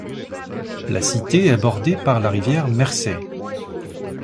La cité est bordée par la rivière Mersey.